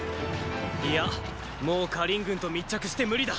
いやもう燐軍と密着して無理だ！